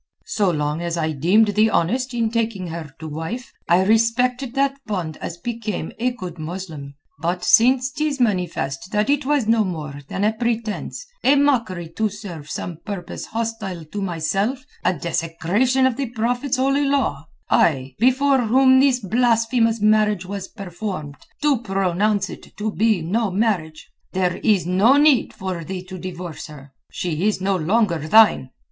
"So long as I deemed thee honest in taking her to wife I respected that bond as became a good Muslim; but since 'tis manifest that it was no more than a pretence, a mockery to serve some purpose hostile to myself, a desecration of the Prophet's Holy Law, I, before whom this blasphemous marriage was performed, do pronounce it to be no marriage. There is no need for thee to divorce her. She is no longer thine.